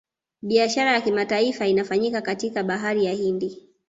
Biashara ya kimataifa inafanyika katika bahari ya hindi